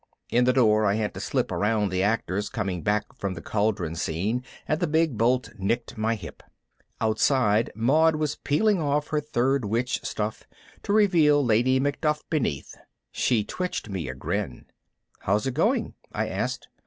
In the door I had to slip around the actors coming back from the Cauldron Scene and the big bolt nicked my hip. Outside Maud was peeling off her Third Witch stuff to reveal Lady Macduff beneath. She twitched me a grin. "How's it going?" I asked.